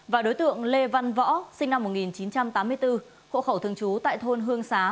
và đối tượng lê văn võ sinh năm một nghìn chín trăm tám mươi bốn hộ khẩu thường trú tại thôn hương xá